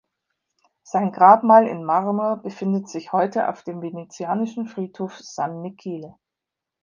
Sein Grabmal in Marmor befindet sich heute auf dem venezianischen Friedhof San Michele.